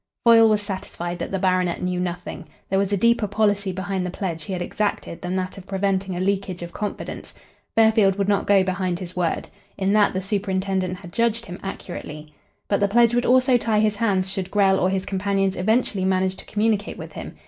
Foyle was satisfied that the baronet knew nothing. There was a deeper policy behind the pledge he had exacted than that of preventing a leakage of confidence. Fairfield would not go behind his word. In that the superintendent had judged him accurately. But the pledge would also tie his hands should Grell or his companions eventually manage to communicate with him.